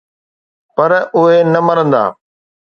پر اهي نه مرندا